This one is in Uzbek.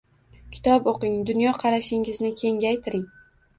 Kitob oʻqing, dunyoqarashingizni kengaytiring.